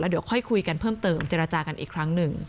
เดี๋ยวค่อยคุยกันเพิ่มเติมเจรจากันอีกครั้งหนึ่ง